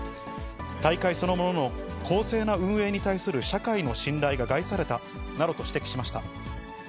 大会そのものの公正な運営に対する社会の信頼が害されたなどと指摘しました。